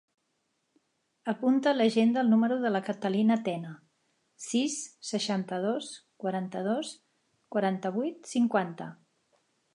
Apunta a l'agenda el número de la Catalina Tena: sis, seixanta-dos, quaranta-dos, quaranta-vuit, cinquanta.